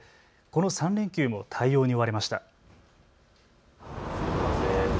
この３連休も対応に追われました。